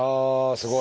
すごい。